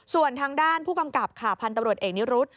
ส่วนทางด้านผู้กำกับค่ะพันธุ์ตำรวจเอกนิรุธ